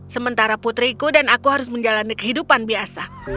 sementara putriku dan aku harus menjalani kehidupan biasa